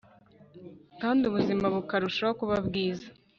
kandi ubuzima bukarushaho kuba bwiza